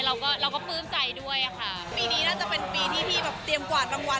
เราก็แสดงตามบทบาทที่เราได้รับค่ะ